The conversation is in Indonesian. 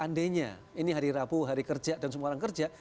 andainya ini hari rabu hari kerja dan semua orang kerja